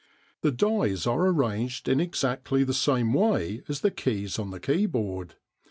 The dies are arranged in exactly the same way as the keys on the keyboard.